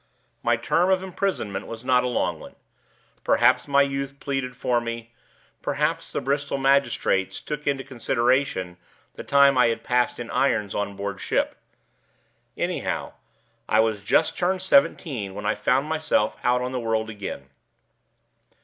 My term of imprisonment was not a long one. Perhaps my youth pleaded for me; perhaps the Bristol magistrates took into consideration the time I had passed in irons on board ship. Anyhow, I was just turned seventeen when I found myself out on the world again.